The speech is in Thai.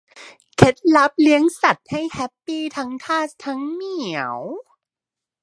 เคล็ดลับเลี้ยงสัตว์ให้แฮปปี้ทั้งทาสทั้งเหมียว